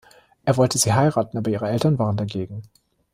Er wollte sie heiraten, aber ihre Eltern waren dagegen.